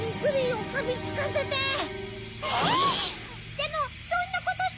・でもそんなことし